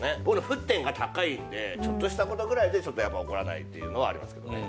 僕、沸点が高いので、ちょっとしたことくらいでは、やっぱ怒らないっていうのはありますけど。